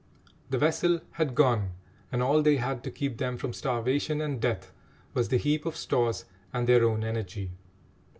The vessel had gone, and all they had to keep them from starvation and death was the heap of stores and their own energy.